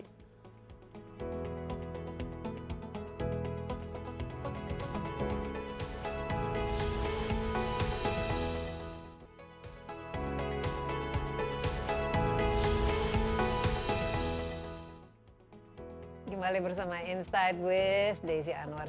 kembali bersama insight with desi anwar